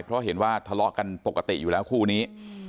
เพราะเห็นว่าทะเลาะกันปกติอยู่แล้วคู่นี้